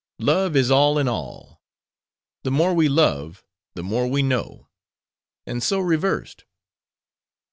Love is all in all. The more we love, the more we know; and so reversed.